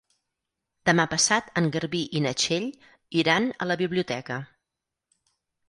Demà passat en Garbí i na Txell iran a la biblioteca.